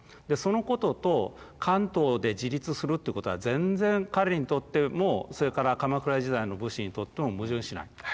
でそのことと関東で自立するってことは全然彼にとってもそれから鎌倉時代の武士にとっても矛盾しない。